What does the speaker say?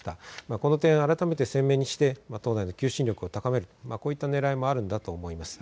この点を改めて鮮明にして党内の求心力を高める、こういったねらいもあるのだと見られます。